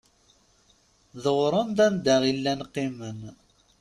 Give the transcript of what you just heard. Dewren-d anda i llan qqimen.